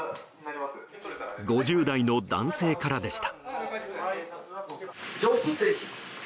５０代の男性からでした。